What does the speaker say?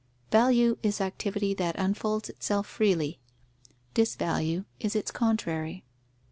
Value is activity that unfolds itself freely: disvalue is its contrary.